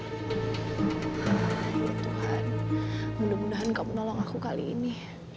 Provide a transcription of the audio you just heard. ya tuhan mudah mudahan kamu nolong aku kali ini